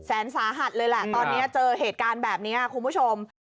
แสนสาหัสเลยแหละตอนนี้เจอเหตุการณ์แบบนี้คุณผู้ชม